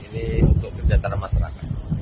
itu untuk kesejahteraan masyarakat